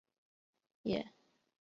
也放声大哭